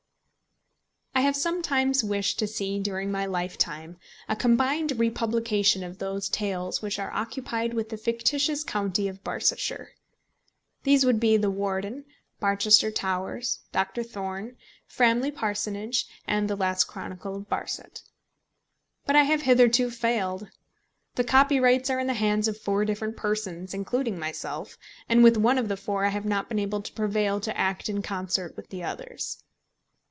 I have sometimes wished to see during my lifetime a combined republication of those tales which are occupied with the fictitious county of Barsetshire. These would be The Warden, Barchester Towers, Doctor Thorne, Framley Parsonage, and The Last Chronicle of Barset. But I have hitherto failed. The copyrights are in the hands of four different persons, including myself, and with one of the four I have not been able to prevail to act in concert with the others.